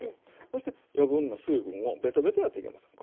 そして余分な水分をベトベトやといけません。